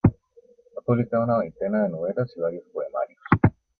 Ha publicado una veintena de novelas y varios poemarios.